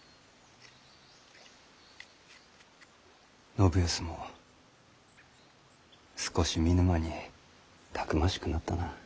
信康も少し見ぬ間にたくましくなったな。